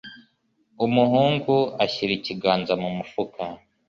Umuhungu ashyira ikiganza mu mufuka.